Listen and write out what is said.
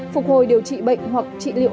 phục hồi điều trị bệnh hoặc trị liệu